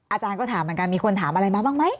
อาจารย์ก็ถามเหมือนกันมีคนถามอะไรมาบ้างไหม